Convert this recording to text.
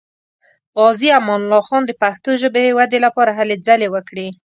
غازي امان الله خان د پښتو ژبې ودې لپاره هلې ځلې وکړې.